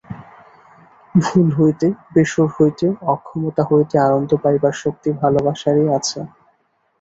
ভুল হইতে, বেসুর হইতে, অক্ষমতা হইতে আনন্দ পাইবার শক্তি ভালোবাসারই আছে।